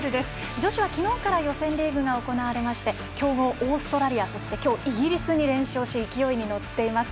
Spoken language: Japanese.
女子はきのうから予選リーグが行われましてきょうもオーストラリアそしてきょうイギリスに連勝し勢いに乗っています。